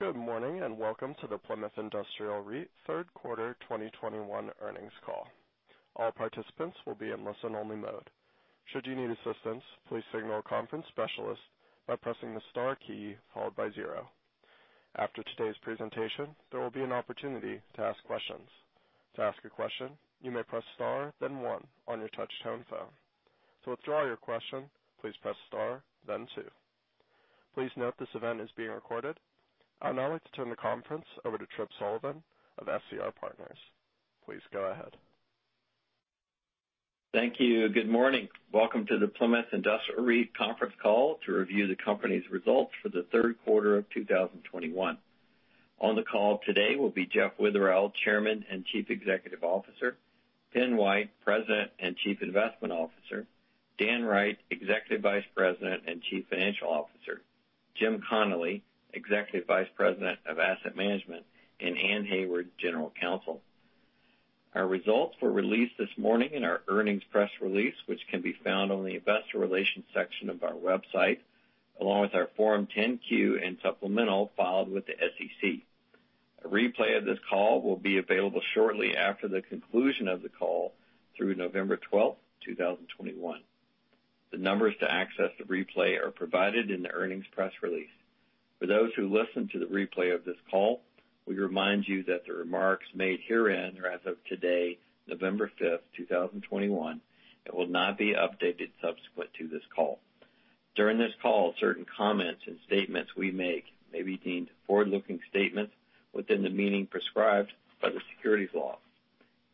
Good morning, and welcome to the Plymouth Industrial REIT third quarter 2021 earnings call. All participants will be in listen only mode. Should you need assistance, please signal a conference specialist by pressing the star key followed by zero. After today's presentation, there will be an opportunity to ask questions. To ask a question, you may press star then one on your touchtone phone. To withdraw your question, please press star then two. Please note this event is being recorded. I'd now like to turn the conference over to Tripp Sullivan of SCR Partners. Please go ahead. Thank you. Good morning. Welcome to the Plymouth Industrial REIT conference call to review the company's results for the third quarter of 2021. On the call today will be Jeff Witherell, Chairman and Chief Executive Officer, Pen White, President and Chief Investment Officer, Dan Wright, Executive Vice President and Chief Financial Officer, Jim Connolly, Executive Vice President of Asset Management, and Anne Hayward, General Counsel. Our results were released this morning in our earnings press release, which can be found on the investor relations section of our website, along with our Form 10-Q and supplemental filed with the SEC. A replay of this call will be available shortly after the conclusion of the call through November 12, 2021. The numbers to access the replay are provided in the earnings press release. For those who listen to the replay of this call, we remind you that the remarks made herein are as of today, November 5, 2021, and will not be updated subsequent to this call. During this call, certain comments and statements we make may be deemed forward-looking statements within the meaning prescribed by the securities laws,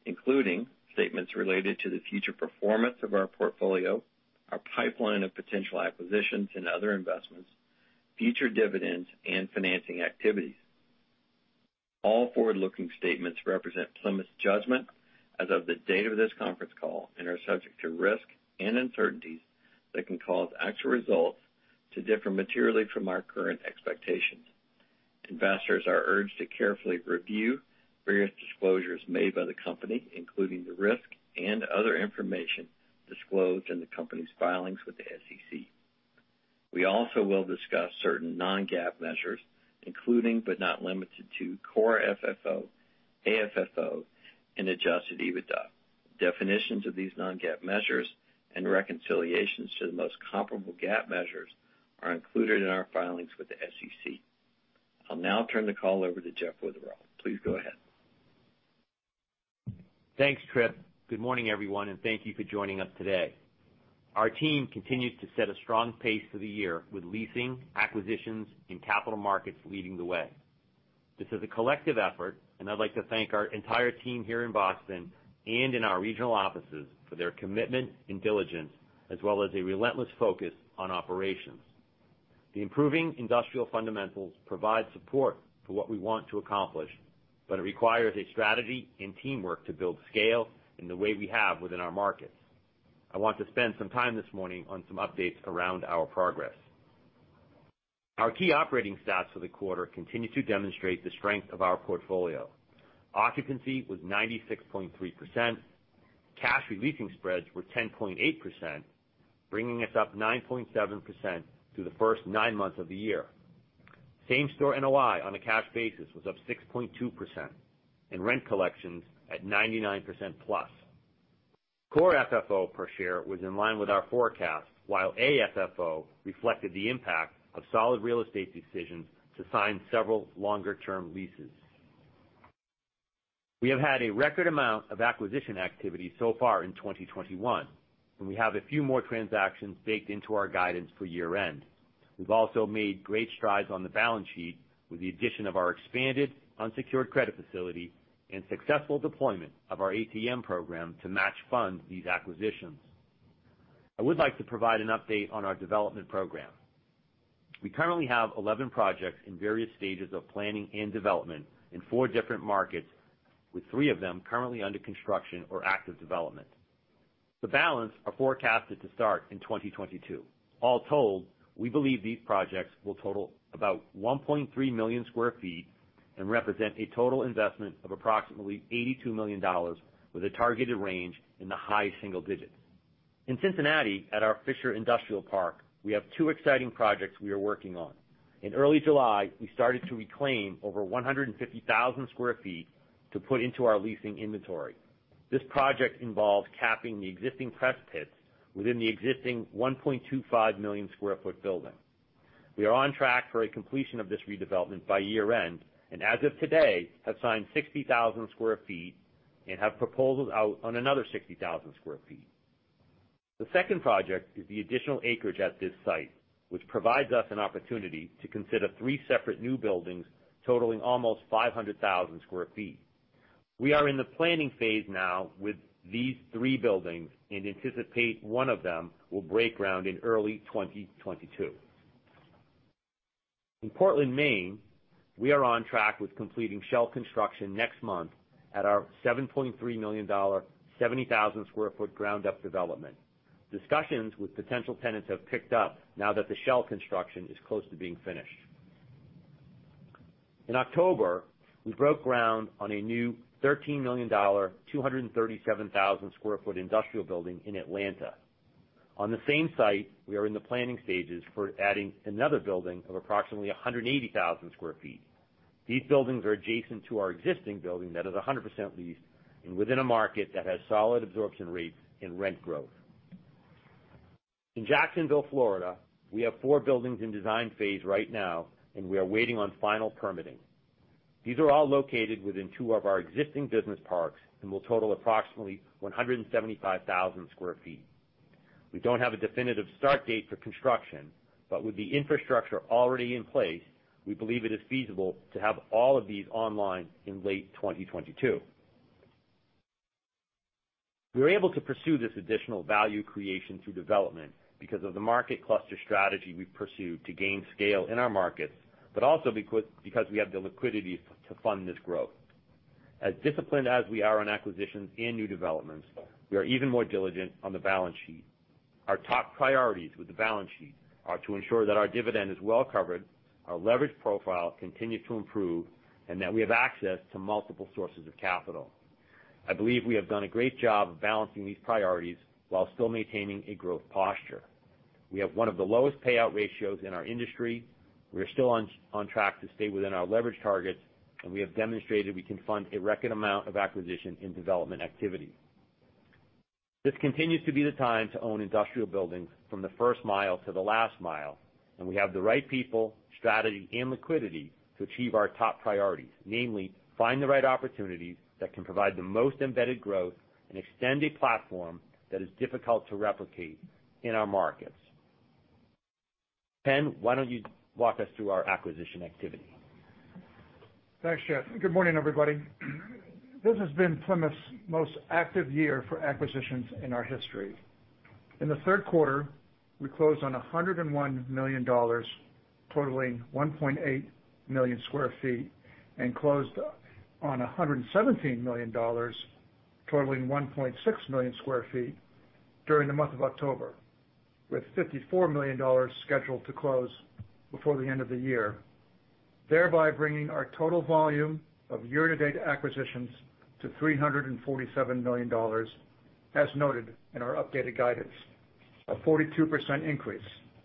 including statements related to the future performance of our portfolio, our pipeline of potential acquisitions and other investments, future dividends and financing activities. All forward-looking statements represent Plymouth's judgment as of the date of this conference call and are subject to risk and uncertainties that can cause actual results to differ materially from our current expectations. Investors are urged to carefully review various disclosures made by the company, including the risk and other information disclosed in the company's filings with the SEC. We also will discuss certain non-GAAP measures, including but not limited to Core FFO, AFFO and adjusted EBITDA. Definitions of these non-GAAP measures and reconciliations to the most comparable GAAP measures are included in our filings with the SEC. I'll now turn the call over to Jeff Witherell. Please go ahead. Thanks, Tripp. Good morning, everyone, and thank you for joining us today. Our team continues to set a strong pace for the year with leasing, acquisitions and capital markets leading the way. This is a collective effort, and I'd like to thank our entire team here in Boston and in our regional offices for their commitment and diligence, as well as a relentless focus on operations. The improving industrial fundamentals provide support for what we want to accomplish, but it requires a strategy and teamwork to build scale in the way we have within our markets. I want to spend some time this morning on some updates around our progress. Our key operating stats for the quarter continue to demonstrate the strength of our portfolio. Occupancy was 96.3%. Cash re-leasing spreads were 10.8%, bringing us up 9.7% through the first nine months of the year. Same-store NOI on a cash basis was up 6.2%, and rent collections at 99%+. Core FFO per share was in line with our forecast, while AFFO reflected the impact of solid real estate decisions to sign several longer-term leases. We have had a record amount of acquisition activity so far in 2021, and we have a few more transactions baked into our guidance for year-end. We've also made great strides on the balance sheet with the addition of our expanded unsecured credit facility and successful deployment of our ATM program to match fund these acquisitions. I would like to provide an update on our development program. We currently have 11 projects in various stages of planning and development in four different markets, with three of them currently under construction or active development. The balance are forecasted to start in 2022. All told, we believe these projects will total about 1.3 million sq ft and represent a total investment of approximately $82 million, with a targeted range in the high single digits. In Cincinnati, at our Fisher Industrial Park, we have two exciting projects we are working on. In early July, we started to reclaim over 150,000 sq ft to put into our leasing inventory. This project involves capping the existing press pits within the existing 1.25 million sq ft building. We are on track for a completion of this redevelopment by year-end, and as of today, have signed 60,000 sq ft and have proposals out on another 60,000 sq ft. The second project is the additional acreage at this site, which provides us an opportunity to consider three separate new buildings totaling almost 500,000 sq ft. We are in the planning phase now with these three buildings and anticipate one of them will break ground in early 2022. In Portland, Maine, we are on track with completing shell construction next month at our $7.3 million, 70,000 sq ft ground-up development. Discussions with potential tenants have picked up now that the shell construction is close to being finished. In October, we broke ground on a new $13 million, 237,000 sq ft industrial building in Atlanta. On the same site, we are in the planning stages for adding another building of approximately 180,000 sq ft. These buildings are adjacent to our existing building that is 100% leased and within a market that has solid absorption rates and rent growth. In Jacksonville, Florida, we have four buildings in design phase right now, and we are waiting on final permitting. These are all located within two of our existing business parks and will total approximately 175,000 sq ft. We don't have a definitive start date for construction, but with the infrastructure already in place, we believe it is feasible to have all of these online in late 2022. We were able to pursue this additional value creation through development because of the market cluster strategy we pursued to gain scale in our markets, but also because we have the liquidity to fund this growth. As disciplined as we are on acquisitions and new developments, we are even more diligent on the balance sheet. Our top priorities with the balance sheet are to ensure that our dividend is well covered, our leverage profile continue to improve, and that we have access to multiple sources of capital. I believe we have done a great job of balancing these priorities while still maintaining a growth posture. We have one of the lowest payout ratios in our industry, we are still on track to stay within our leverage targets, and we have demonstrated we can fund a record amount of acquisition and development activity. This continues to be the time to own industrial buildings from the first mile to the last mile, and we have the right people, strategy, and liquidity to achieve our top priorities, namely, find the right opportunities that can provide the most embedded growth and extend a platform that is difficult to replicate in our markets. Pen, why don't you walk us through our acquisition activity? Thanks, Jeff. Good morning, everybody. This has been Plymouth's most active year for acquisitions in our history. In the third quarter, we closed on $101 million, totaling 1.8 million sq ft, and closed on $117 million, totaling 1.6 million sq ft during the month of October, with $54 million scheduled to close before the end of the year. Thereby bringing our total volume of year-to-date acquisitions to $347 million, as noted in our updated guidance, a 42% increase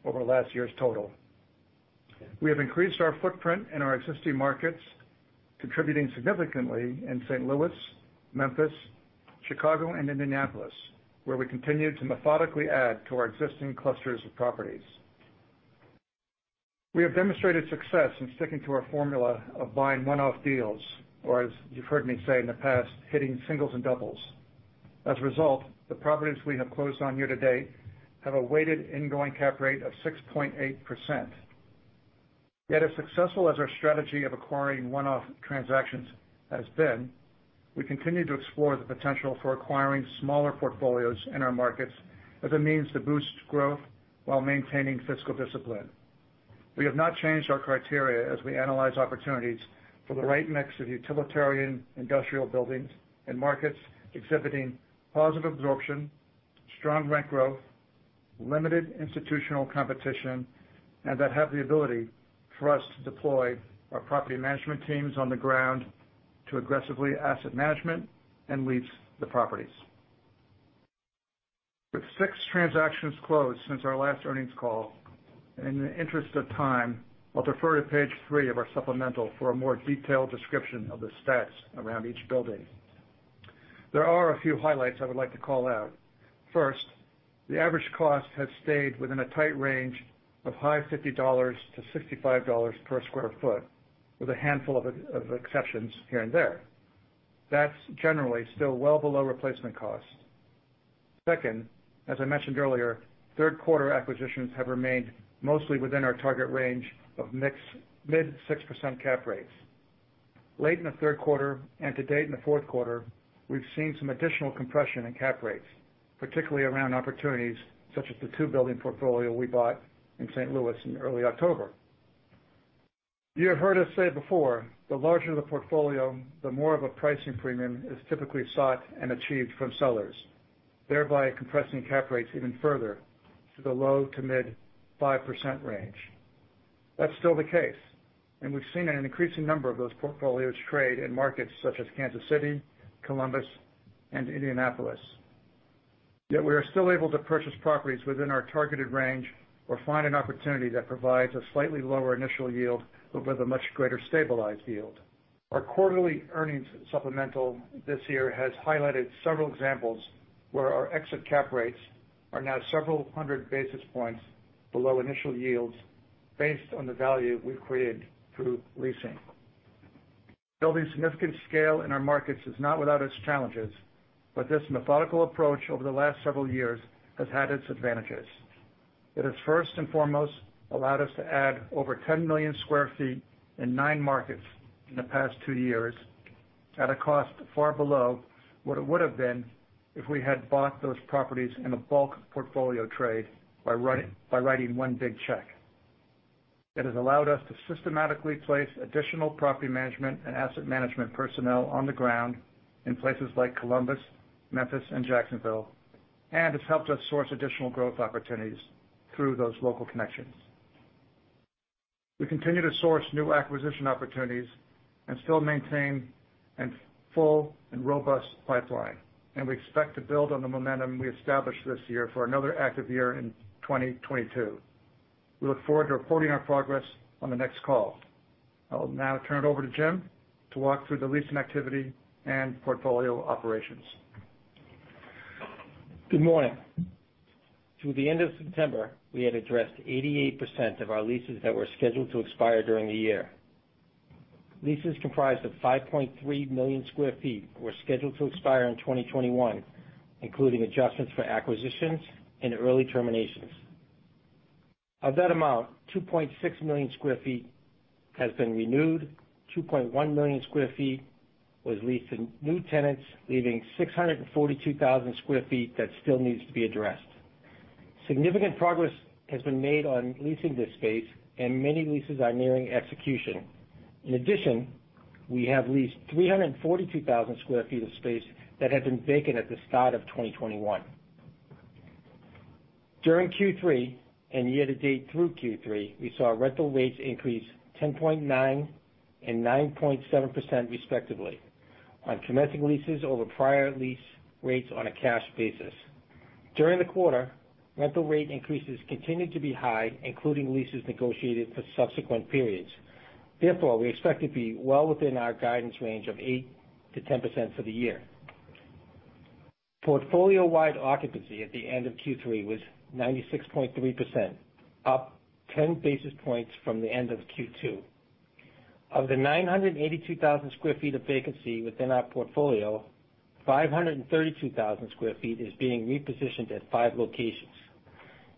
over last year's total. We have increased our footprint in our existing markets, contributing significantly in St. Louis, Memphis, Chicago, and Indianapolis, where we continue to methodically add to our existing clusters of properties. We have demonstrated success in sticking to our formula of buying one-off deals, or as you've heard me say in the past, hitting singles and doubles. As a result, the properties we have closed on year to date have a weighted ingoing cap rate of 6.8%. Yet as successful as our strategy of acquiring one-off transactions has been, we continue to explore the potential for acquiring smaller portfolios in our markets as a means to boost growth while maintaining fiscal discipline. We have not changed our criteria as we analyze opportunities for the right mix of utilitarian industrial buildings and markets exhibiting positive absorption, strong rent growth, limited institutional competition, and that have the ability for us to deploy our property management teams on the ground to aggressively asset manage and lease the properties. With 6 transactions closed since our last earnings call, in the interest of time, I'll defer to page three of our supplemental for a more detailed description of the stats around each building. There are a few highlights I would like to call out. First, the average cost has stayed within a tight range of high $50s to $65 per sq ft, with a handful of exceptions here and there. That's generally still well below replacement cost. Second, as I mentioned earlier, third quarter acquisitions have remained mostly within our target range of mid-6% cap rates. Late in the third quarter and to date in the fourth quarter, we've seen some additional compression in cap rates, particularly around opportunities such as the two-building portfolio we bought in St. Louis in early October. You have heard us say before, the larger the portfolio, the more of a pricing premium is typically sought and achieved from sellers, thereby compressing cap rates even further to the low- to mid-5% range. That's still the case, and we've seen an increasing number of those portfolios trade in markets such as Kansas City, Columbus, and Indianapolis. Yet we are still able to purchase properties within our targeted range or find an opportunity that provides a slightly lower initial yield but with a much greater stabilized yield. Our quarterly earnings supplemental this year has highlighted several examples where our exit cap rates are now several hundred basis points below initial yields based on the value we've created through leasing. Building significant scale in our markets is not without its challenges, but this methodical approach over the last several years has had its advantages. It has first and foremost allowed us to add over 10 million sq ft in nine markets in the past two years at a cost far below what it would've been if we had bought those properties in a bulk portfolio trade by writing one big check. It has allowed us to systematically place additional property management and asset management personnel on the ground in places like Columbus, Memphis, and Jacksonville, and it's helped us source additional growth opportunities. Through those local connections. We continue to source new acquisition opportunities and still maintain a full and robust pipeline, and we expect to build on the momentum we established this year for another active year in 2022. We look forward to reporting our progress on the next call. I will now turn it over to Jim to walk through the leasing activity and portfolio operations. Good morning. Through the end of September, we had addressed 88% of our leases that were scheduled to expire during the year. Leases comprised of 5.3 million sq ft were scheduled to expire in 2021, including adjustments for acquisitions and early terminations. Of that amount, 2.6 million sq ft has been renewed, 2.1 million sq ft was leased to new tenants, leaving 642,000 sq ft that still needs to be addressed. Significant progress has been made on leasing this space, and many leases are nearing execution. In addition, we have leased 342,000 sq ft of space that had been vacant at the start of 2021. During Q3 and year to date through Q3, we saw rental rates increase 10.9% and 9.7% respectively on commencing leases over prior lease rates on a cash basis. During the quarter, rental rate increases continued to be high, including leases negotiated for subsequent periods. Therefore, we expect to be well within our guidance range of 8%-10% for the year. Portfolio-wide occupancy at the end of Q3 was 96.3%, up 10 basis points from the end of Q2. Of the 982,000 sq ft of vacancy within our portfolio, 532,000 sq ft is being repositioned at five locations.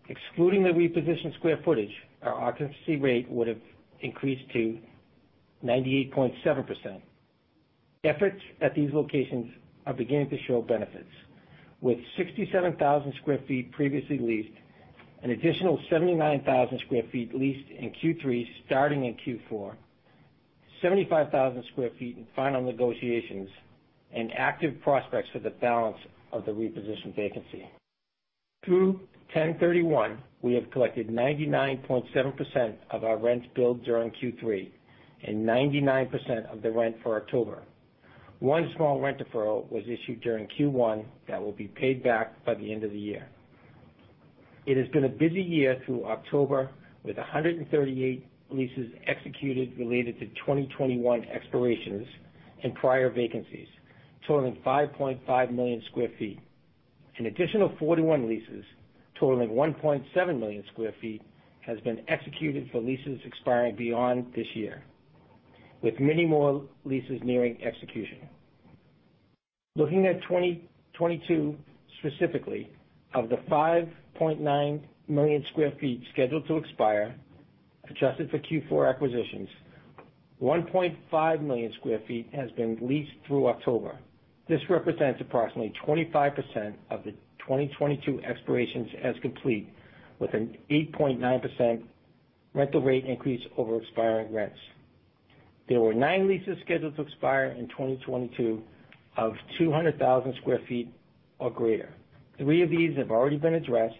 Excluding the repositioned square footage, our occupancy rate would have increased to 98.7%. Efforts at these locations are beginning to show benefits, with 67,000 sq ft previously leased, an additional 79,000 sq ft leased in Q3 starting in Q4, 75,000 sq ft in final negotiations and active prospects for the balance of the repositioned vacancy. Through 10/31, we have collected 99.7% of our rent billed during Q3 and 99% of the rent for October. One small rent deferral was issued during Q1 that will be paid back by the end of the year. It has been a busy year through October, with 138 leases executed related to 2021 expirations and prior vacancies, totaling 5.5 million sq ft. An additional 41 leases totaling 1.7 million sq ft has been executed for leases expiring beyond this year, with many more leases nearing execution. Looking at 2022 specifically, of the 5.9 million sq ft scheduled to expire, adjusted for Q4 acquisitions, 1.5 million sq ft has been leased through October. This represents approximately 25% of the 2022 expirations as complete with an 8.9% rental rate increase over expiring rents. There were nine leases scheduled to expire in 2022 of 200,000 sq ft or greater. Three of these have already been addressed.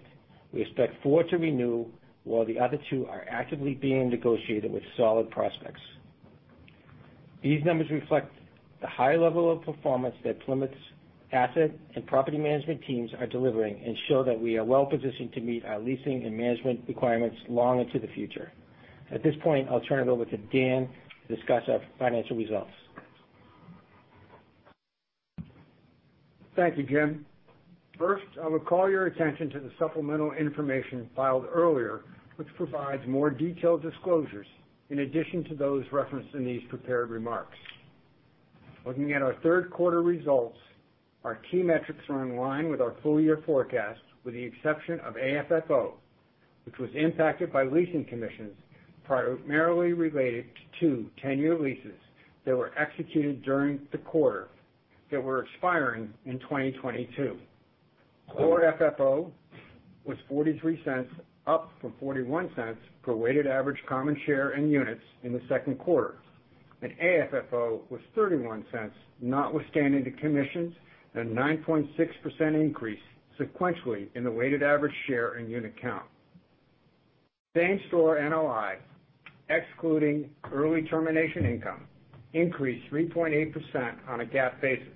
We expect four to renew, while the other two are actively being negotiated with solid prospects. These numbers reflect the high level of performance that Plymouth's asset and property management teams are delivering and show that we are well-positioned to meet our leasing and management requirements long into the future. At this point, I'll turn it over to Dan to discuss our financial results. Thank you, Jim. First, I will call your attention to the supplemental information filed earlier, which provides more detailed disclosures in addition to those referenced in these prepared remarks. Looking at our third quarter results, our key metrics are in line with our full year forecast, with the exception of AFFO, which was impacted by leasing commissions primarily related to two ten-year leases that were executed during the quarter that were expiring in 2022. Core FFO was $0.43, up from $0.41 per weighted average common shares and units in the second quarter, and AFFO was $0.31, notwithstanding the commissions and 9.6% increase sequentially in the weighted average shares and units count. Same-store NOI, excluding early termination income, increased 3.8% on a GAAP basis,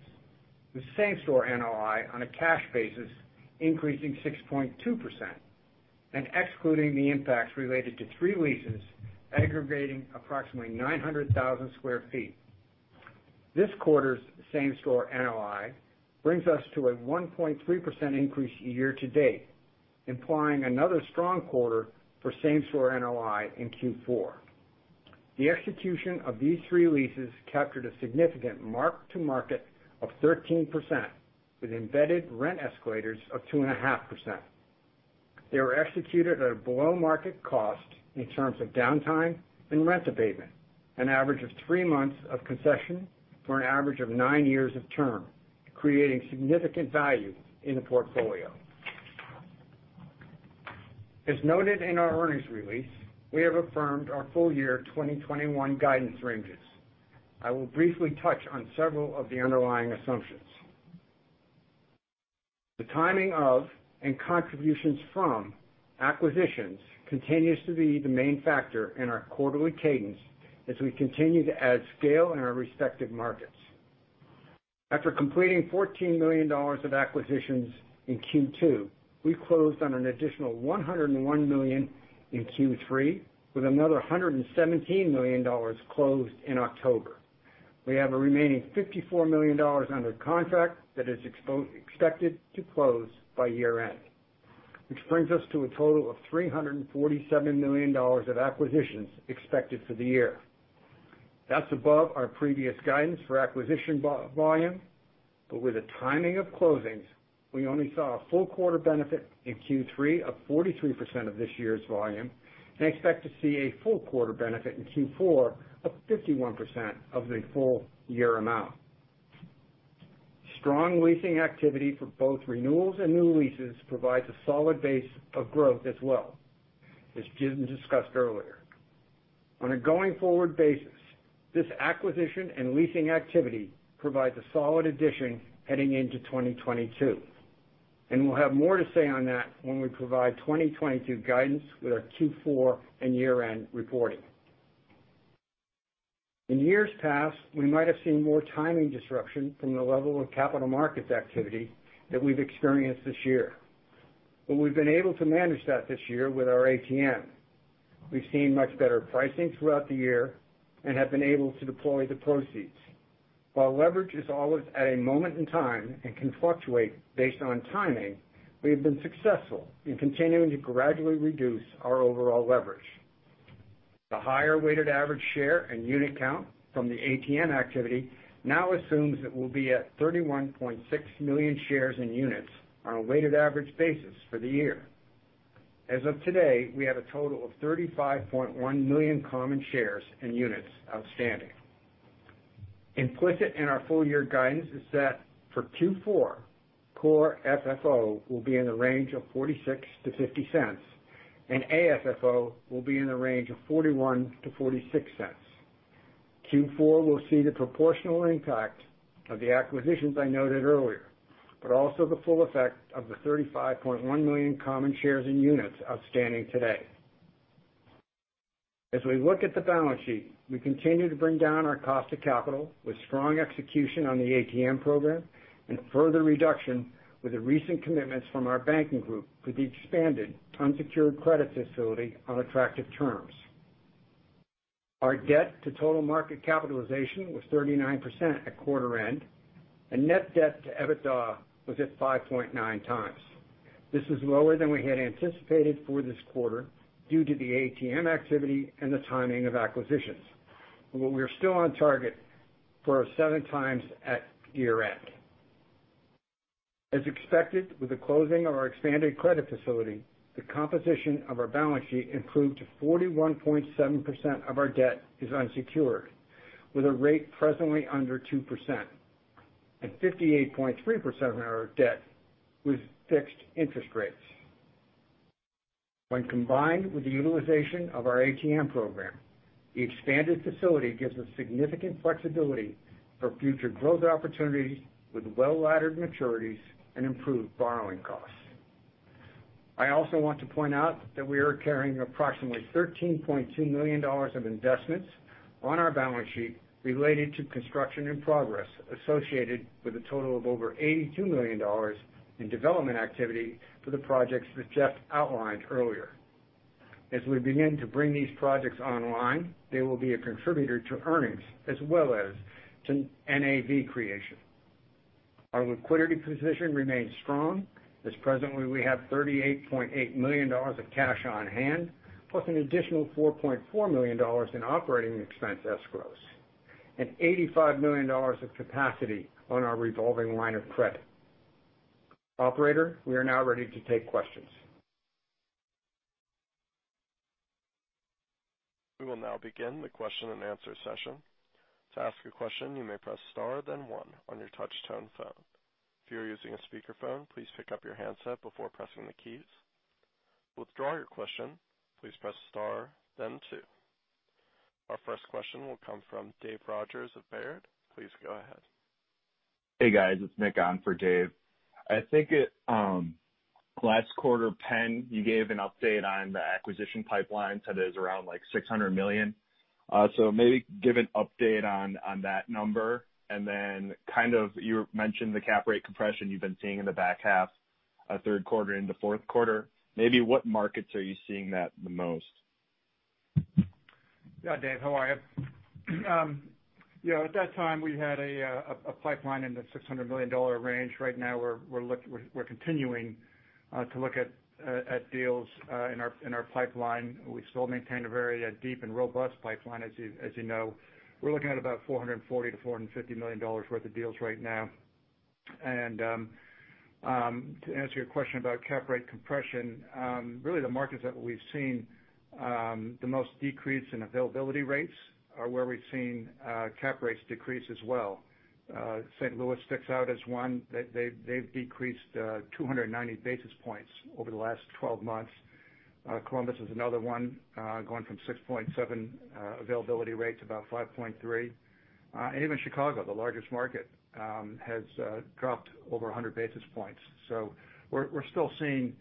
with same-store NOI on a cash basis increasing 6.2% and excluding the impacts related to three leases aggregating approximately 900,000 sq ft. This quarter's same-store NOI brings us to a 1.3% increase year-to-date, implying another strong quarter for same-store NOI in Q4. The execution of these three leases captured a significant mark-to-market of 13% with embedded rent escalators of 2.5%. They were executed at a below-market cost in terms of downtime and rent abatement, an average of three months of concession for an average of nine years of term, creating significant value in the portfolio. As noted in our earnings release, we have affirmed our full-year 2021 guidance ranges. I will briefly touch on several of the underlying assumptions. The timing of and contributions from acquisitions continues to be the main factor in our quarterly cadence as we continue to add scale in our respective markets. After completing $14 million of acquisitions in Q2, we closed on an additional $101 million in Q3, with another $117 million closed in October. We have a remaining $54 million under contract that is expected to close by year-end, which brings us to a total of $347 million of acquisitions expected for the year. That's above our previous guidance for acquisition volume, but with the timing of closings, we only saw a full quarter benefit in Q3 of 43% of this year's volume, and expect to see a full quarter benefit in Q4 of 51% of the full year amount. Strong leasing activity for both renewals and new leases provides a solid base of growth as well, as Jim discussed earlier. On a going forward basis, this acquisition and leasing activity provides a solid addition heading into 2022, and we'll have more to say on that when we provide 2022 guidance with our Q4 and year-end reporting. In years past, we might have seen more timing disruption from the level of capital markets activity that we've experienced this year, but we've been able to manage that this year with our ATM. We've seen much better pricing throughout the year and have been able to deploy the proceeds. While leverage is always at a moment in time and can fluctuate based on timing, we have been successful in continuing to gradually reduce our overall leverage. The higher weighted average share and unit count from the ATM activity now assumes it will be at 31.6 million shares and units on a weighted average basis for the year. As of today, we have a total of 35.1 million common shares and units outstanding. Implicit in our full year guidance is that for Q4, Core FFO will be in the range of $0.46-$0.50, and AFFO will be in the range of $0.41-$0.46. Q4 will see the proportional impact of the acquisitions I noted earlier, but also the full effect of the 35.1 million common shares and units outstanding today. As we look at the balance sheet, we continue to bring down our cost of capital with strong execution on the ATM program and further reduction with the recent commitments from our banking group with the expanded unsecured credit facility on attractive terms. Our debt to total market capitalization was 39% at quarter end, and net debt to EBITDA was at 5.9x. This is lower than we had anticipated for this quarter due to the ATM activity and the timing of acquisitions. We are still on target for our 7x at year-end. As expected, with the closing of our expanded credit facility, the composition of our balance sheet improved to 41.7% of our debt is unsecured, with a rate presently under 2%, and 58.3% of our debt with fixed interest rates. When combined with the utilization of our ATM program, the expanded facility gives us significant flexibility for future growth opportunities with well-laddered maturities and improved borrowing costs. I also want to point out that we are carrying approximately $13.2 million of investments on our balance sheet related to construction in progress associated with a total of over $82 million in development activity for the projects that Jeff outlined earlier. As we begin to bring these projects online, they will be a contributor to earnings as well as to NAV creation. Our liquidity position remains strong, as presently we have $38.8 million of cash on hand, plus an additional $4.4 million in operating expense escrows, and $85 million of capacity on our revolving line of credit. Operator, we are now ready to take questions. We will now begin the question-and-answer session. To ask a question, you may press star then one on your touch tone phone. If you are using a speakerphone, please pick up your handset before pressing the keys. To withdraw your question, please press star then two. Our first question will come from Dave Rodgers of Baird. Please go ahead. Hey guys, it's Nick on for Dave. I think last quarter, Pen, you gave an update on the acquisition pipeline, said it was around like $600 million. So maybe give an update on that number. Then kind of you mentioned the cap rate compression you've been seeing in the back half, third quarter into fourth quarter. Maybe what markets are you seeing that the most? Yeah. Dave, how are you? At that time, we had a pipeline in the $600 million range. Right now we're continuing to look at deals in our pipeline. We still maintain a very deep and robust pipeline, as you know. We're looking at about $440 million-$450 million worth of deals right now. To answer your question about cap rate compression, really the markets that we've seen the most decrease in availability rates are where we've seen cap rates decrease as well. St. Louis sticks out as one that they've decreased 290 basis points over the last 12 months. Columbus is another one, going from 6.7% availability rate to about 5.3%. Even Chicago, the largest market, has dropped over 100 basis points. We're still seeing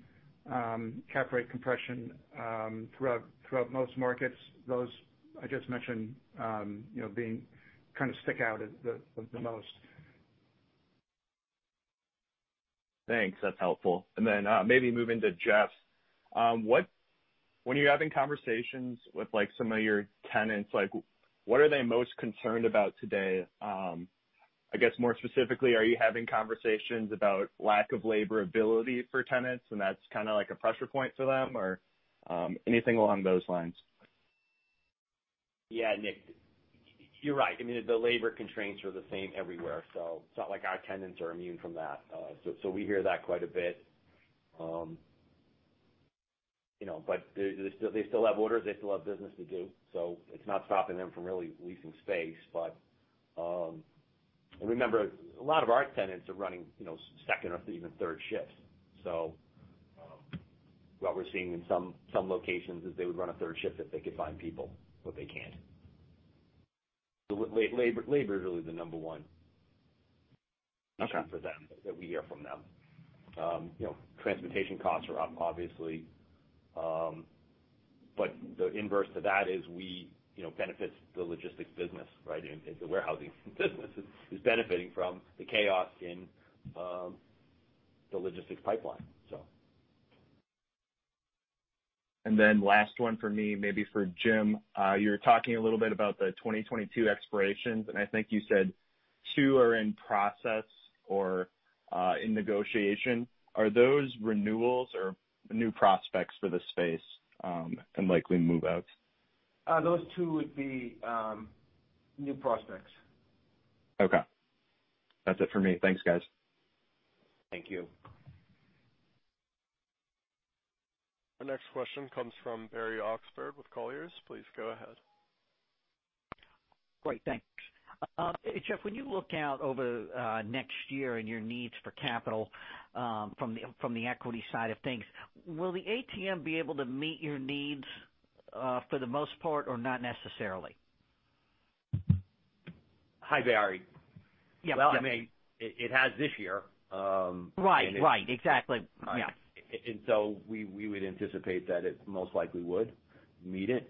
cap rate compression throughout most markets. Those I just mentioned, you know, being kind of stand out the most. Thanks. That's helpful. Then, maybe moving to Jeff. What when you're having conversations with, like, some of your tenants, like what are they most concerned about today? I guess more specifically, are you having conversations about lack of labor ability for tenants, and that's kinda like a pressure point for them? Or, anything along those lines? Yeah. Nick, you're right. I mean, the labor constraints are the same everywhere, so it's not like our tenants are immune from that. So we hear that quite a bit. You know, but they still have orders. They still have business to do, so it's not stopping them from really leasing space. Remember, a lot of our tenants are running, you know, second or even third shifts. What we're seeing in some locations is they would run a third shift if they could find people, but they can't. Labor is really the number one- Okay issue for them, that we hear from them. You know, transportation costs are up obviously. The inverse to that is we, you know, benefits the logistics business, right? It's a warehousing business is benefiting from the chaos in the logistics pipeline. Last one for me, maybe for Jim. You're talking a little bit about the 2022 expirations, and I think you said two are in process or in negotiation. Are those renewals or new prospects for the space from likely move-outs? Those two would be new prospects. Okay. That's it for me. Thanks, guys. Thank you. Our next question comes from Barry Oxford with Colliers. Please go ahead. Great. Thanks. Jeff, when you look out over next year and your needs for capital, from the equity side of things, will the ATM be able to meet your needs for the most part or not necessarily? Hi, Barry. Yeah. Well, I mean, it has this year. Right. Right. Exactly. Yeah. We would anticipate that it most likely would meet it.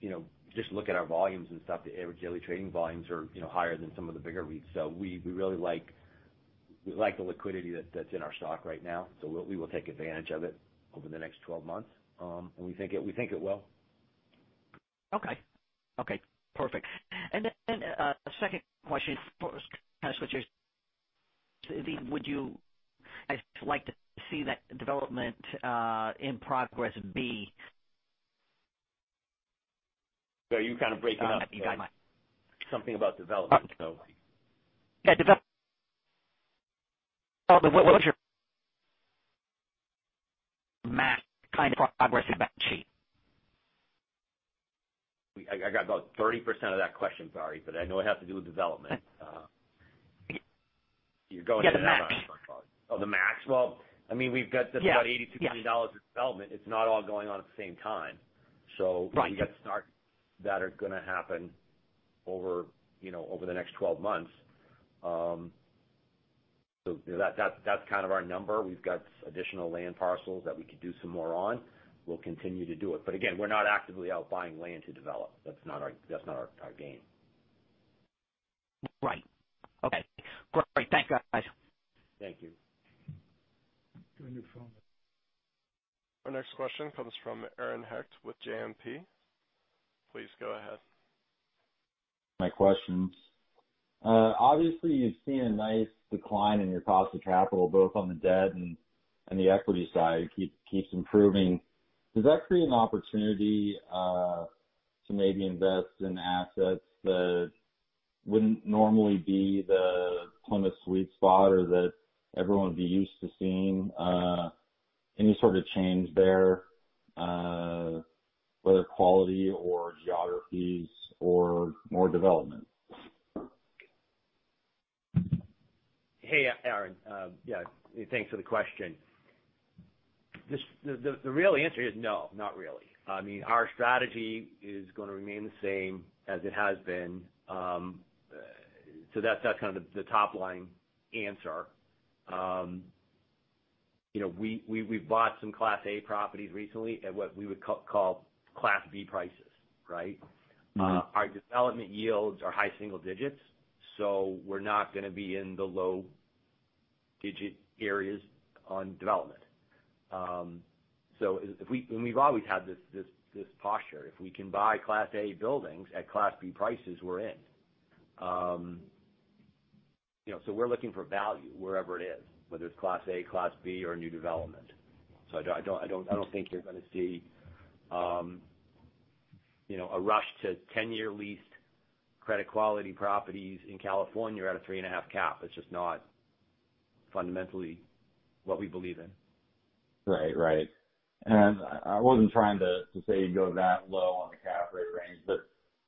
You know, just look at our volumes and stuff. The daily trading volumes are, you know, higher than some of the bigger REITs. We really like the liquidity that's in our stock right now, so we will take advantage of it over the next 12 months. We think it will. Okay. Okay, perfect. A second question for Casco Trust. I'd like to see that development in progress B. Barry, you're kind of breaking up. Something about development. Yeah, what was your max kind of progress balance sheet? I got about 30% of that question, Barry, but I know it has to do with development. You're going- Yeah, the max. Oh, the max. Well, I mean, we've got Yeah. This is about $82 million in development. It's not all going on at the same time. Right. that are gonna happen over, you know, over the next 12 months. That's kind of our number. We've got additional land parcels that we could do some more on. We'll continue to do it. Again, we're not actively out buying land to develop. That's not our game. Right. Okay. Great. Thanks, guys. Thank you. Give me your phone. Our next question comes from Aaron Hecht with JMP. Please go ahead. My questions. Obviously, you've seen a nice decline in your cost of capital, both on the debt and the equity side. It keeps improving. Does that create an opportunity to maybe invest in assets that wouldn't normally be the kind of sweet spot or that everyone would be used to seeing any sort of change there, whether quality or geographies or more development? Hey, Aaron. Yeah. Thanks for the question. The real answer is no, not really. I mean, our strategy is gonna remain the same as it has been. So that's kind of the top line answer. You know, we've bought some Class A properties recently at what we would call Class B prices, right? Mm-hmm. Our development yields are high single digits, so we're not gonna be in the low single-digit areas on development. We've always had this posture. If we can buy Class A buildings at Class B prices, we're in. You know, we're looking for value wherever it is, whether it's Class A, Class B, or new development. I don't think you're gonna see a rush to 10-year lease credit quality properties in California at a 3.5% cap. It's just not fundamentally what we believe in. Right. I wasn't trying to say you'd go that low on the cap rate range, but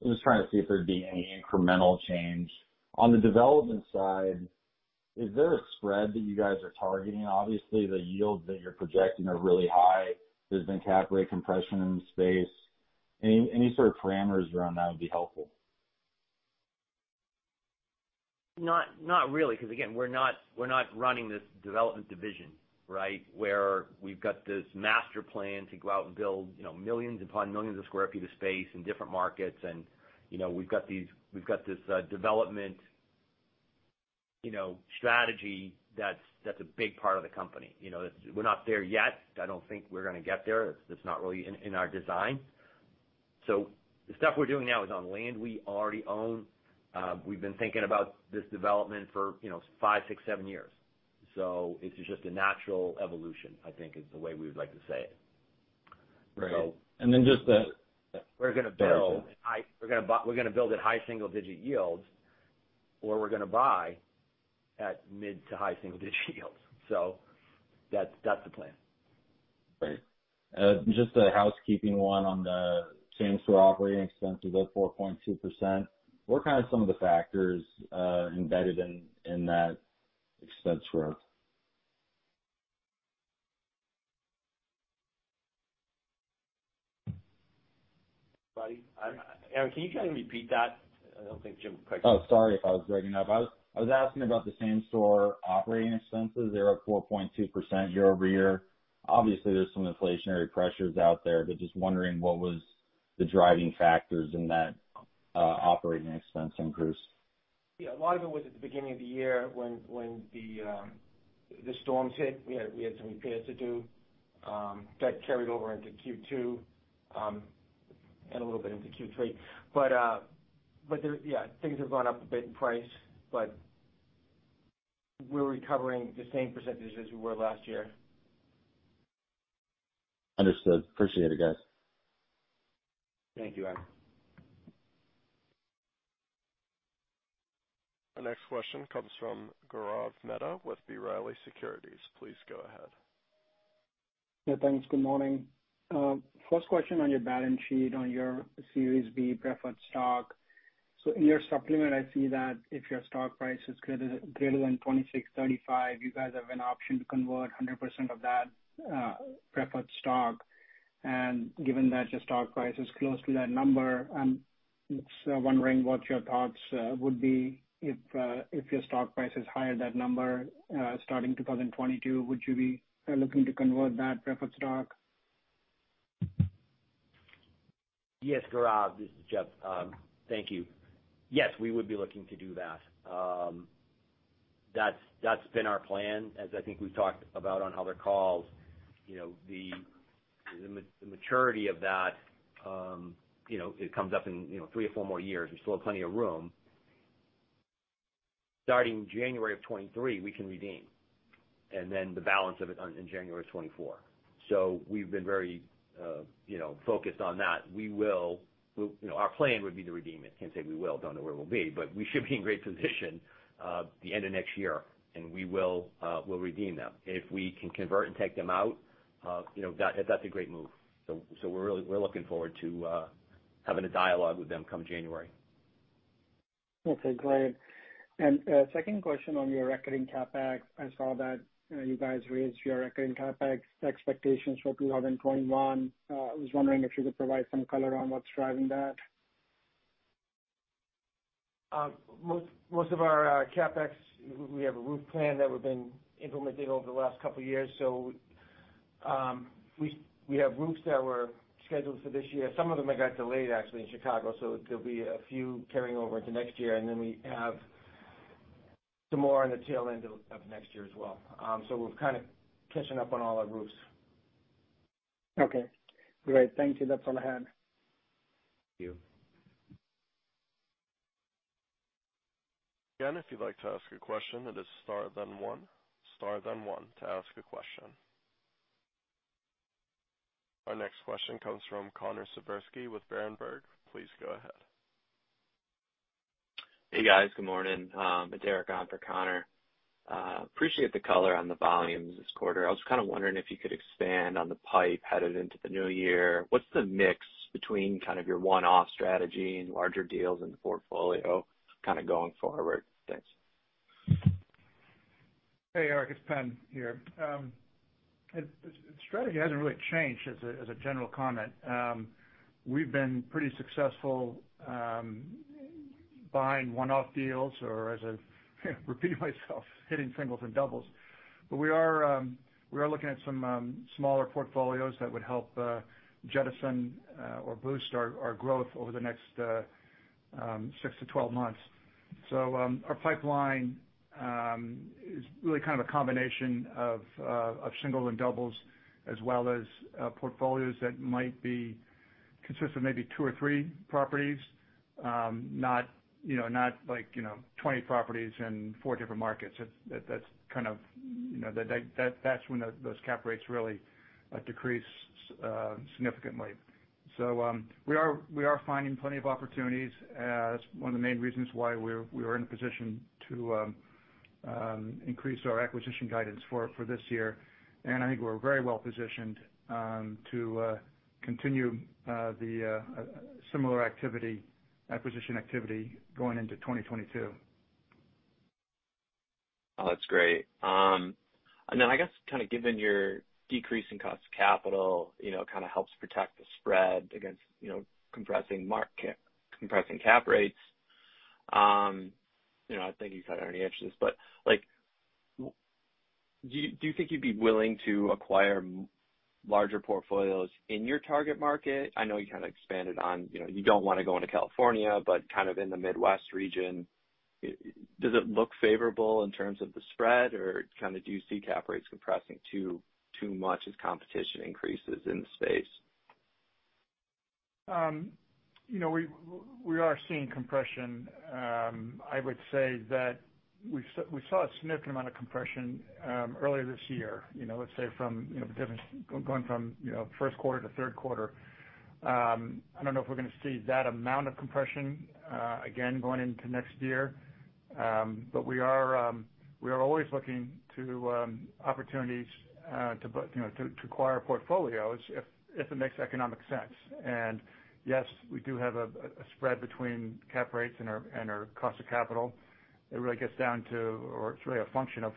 I'm just trying to see if there'd be any incremental change. On the development side, is there a spread that you guys are targeting? Obviously, the yields that you're projecting are really high. There's been cap rate compression in the space. Any sort of parameters around that would be helpful. Not really. Because again, we're not running this development division, right? Where we've got this master plan to go out and build, you know, millions upon millions of square feet of space in different markets. You know, we've got this development, you know, strategy that's a big part of the company. You know, it's. We're not there yet. I don't think we're gonna get there. It's not really in our design. The stuff we're doing now is on land we already own. We've been thinking about this development for, you know, five, six, seven years. It's just a natural evolution, I think is the way we would like to say it. Right. So- And then just the- We're gonna build at high single digit yields, or we're gonna buy at mid to high single digit yields. That's the plan. Great. Just a housekeeping one on the same-store operating expenses up 4.2%. What are kind of some of the factors embedded in that expense growth? Aaron, can you kind of repeat that? I don't think Jim quite got it. Oh, sorry if I was breaking up. I was asking about the same-store operating expenses. They're up 4.2% year-over-year. Obviously, there's some inflationary pressures out there, but just wondering what was the driving factors in that operating expense increase. Yeah. A lot of it was at the beginning of the year when the storms hit. We had some repairs to do that carried over into Q2 and a little bit into Q3. Yeah, things have gone up a bit in price, but we're recovering the same percentages as we were last year. Understood. Appreciate it, guys. Thank you, Aaron. Our next question comes from Gaurav Mehta with B. Riley Securities. Please go ahead. Yeah, thanks. Good morning. First question on your balance sheet on your Series B preferred stock. In your supplement, I see that if your stock price is greater than $26.35, you guys have an option to convert 100% of that preferred stock. Given that your stock price is close to that number, just wondering what your thoughts would be if your stock price is higher than that number starting 2022. Would you be looking to convert that preferred stock? Yes, Gaurav Mehta. This is Jeff Witherell. Thank you. Yes, we would be looking to do that. That's been our plan, as I think we've talked about on other calls. You know, the maturity of that, you know, it comes up in, you know, three or four more years. There's still plenty of room. Starting January of 2023, we can redeem, and then the balance of it in January of 2024. We've been very, you know, focused on that. We, you know, our plan would be to redeem it. Can't say we will, don't know where we'll be, but we should be in great position, the end of next year, and we will, we'll redeem them. If we can convert and take them out, you know, that's a great move. We're looking forward to having a dialogue with them come January. Okay, great. A second question on your recurring CapEx. I saw that you guys raised your recurring CapEx expectations for 2021. I was wondering if you could provide some color on what's driving that. Most of our CapEx, we have a roof plan that we've been implementing over the last couple years. We have roofs that were scheduled for this year. Some of them got delayed actually in Chicago, so there'll be a few carrying over into next year, and then we have some more on the tail end of next year as well. We're kind of catching up on all our roofs. Okay, great. Thank you. That's all I had. Thank you. Again, if you'd like to ask a question, it is star then one. Star then one to ask a question. Our next question comes from Connor Siversky with Berenberg. Please go ahead. Hey, guys. Good morning. It's Eric on for Connor. Appreciate the color on the volumes this quarter. I was kind of wondering if you could expand on the pipeline headed into the new year. What's the mix between kind of your one-off strategy and larger deals in the portfolio kind of going forward? Thanks. Hey, Eric, it's Pen here. The strategy hasn't really changed as a general comment. We've been pretty successful buying one-off deals or as I repeat myself, hitting singles and doubles. We are looking at some smaller portfolios that would help jettison or boost our growth over the next six to 12 months. Our pipeline is really kind of a combination of singles and doubles, as well as portfolios that might consist of maybe two or three properties. Not, you know, not like, you know, 20 properties in four different markets. That's kind of, you know, when those cap rates really decrease significantly. We are finding plenty of opportunities as one of the main reasons why we are in a position to increase our acquisition guidance for this year. I think we're very well positioned to continue the similar activity, acquisition activity going into 2022. Oh, that's great. I guess kind of given your decrease in cost of capital, you know, kind of helps protect the spread against, you know, compressing cap rates. You know, I think you've kind of already answered this, but like, do you think you'd be willing to acquire larger portfolios in your target market? I know you kind of expanded on, you know, you don't wanna go into California, but kind of in the Midwest region, does it look favorable in terms of the spread or kind of do you see cap rates compressing too much as competition increases in the space? You know, we are seeing compression. I would say that we saw a significant amount of compression earlier this year. You know, let's say from the difference going from first quarter to third quarter. I don't know if we're gonna see that amount of compression again going into next year. We are always looking to opportunities to put you know to acquire portfolios if it makes economic sense. Yes, we do have a spread between cap rates and our cost of capital. It really gets down to or it's really a function of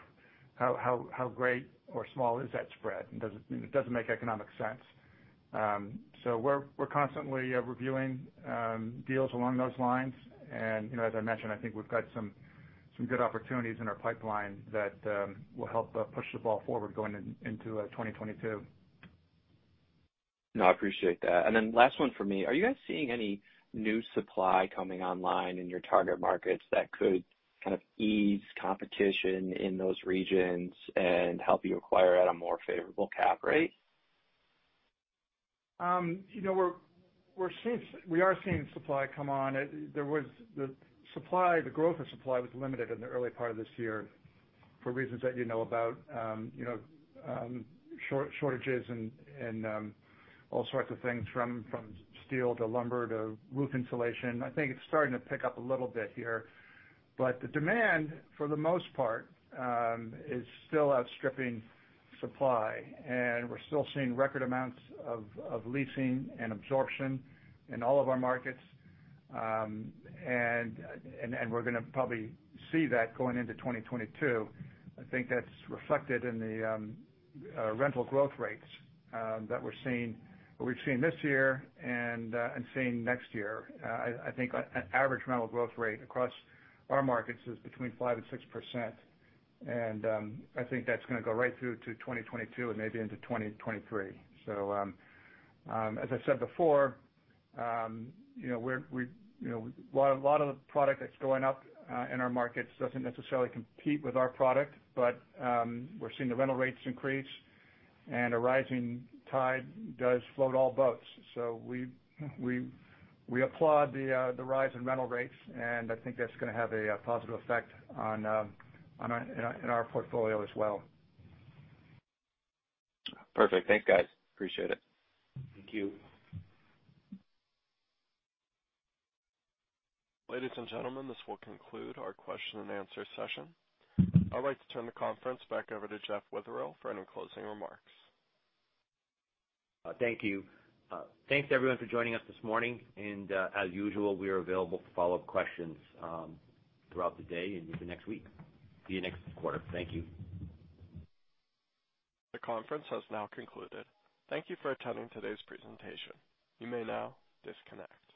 how great or small is that spread, and does it make economic sense. We're constantly reviewing deals along those lines. You know, as I mentioned, I think we've got some good opportunities in our pipeline that will help push the ball forward going into 2022. No, I appreciate that. Last one for me. Are you guys seeing any new supply coming online in your target markets that could kind of ease competition in those regions and help you acquire at a more favorable cap rate? You know, we are seeing supply come on. The supply, the growth of supply was limited in the early part of this year for reasons that you know about, shortages and all sorts of things from steel to lumber to roof insulation. I think it's starting to pick up a little bit here. The demand, for the most part, is still outstripping supply, and we're still seeing record amounts of leasing and absorption in all of our markets. We're gonna probably see that going into 2022. I think that's reflected in the rental growth rates that we're seeing or we've seen this year and seeing next year. I think an average rental growth rate across our markets is between 5% and 6%. I think that's gonna go right through to 2022 and maybe into 2023. As I said before, you know, we, you know, a lot of the product that's going up in our markets doesn't necessarily compete with our product. We're seeing the rental rates increase, and a rising tide does float all boats. We applaud the rise in rental rates, and I think that's gonna have a positive effect on our portfolio as well. Perfect. Thanks, guys. Appreciate it. Thank you. Ladies and gentlemen, this will conclude our question and answer session. I'd like to turn the conference back over to Jeff Witherell for any closing remarks. Thank you. Thanks everyone for joining us this morning. As usual, we are available for follow-up questions throughout the day and into next week. See you next quarter. Thank you. The conference has now concluded. Thank you for attending today's presentation. You may now disconnect.